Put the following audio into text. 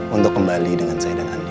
untuk kembali dengan saya dan andi